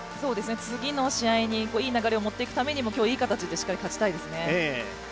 次の試合にいい流れを持っていくためにも今日、いい形で、しっかり勝ちたいですね。